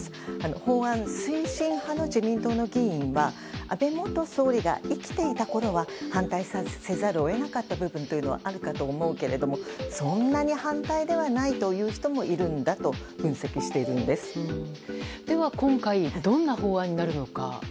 法案推進派の自民党の議員は安倍元総理が生きていたころは反対せざるを得なかった部分はあるかと思うけれどもそんなに反対ではないという人もでは今回どんな法案になるのか。